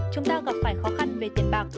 chúng ta gặp phải khó khăn về tiền bạc